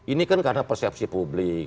ini kan karena persepsi publik